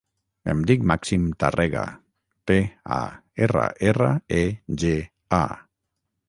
Em dic Màxim Tarrega: te, a, erra, erra, e, ge, a.